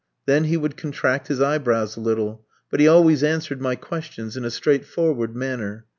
Then he would contract his eyebrows a little; but he always answered my questions in a straightforward manner.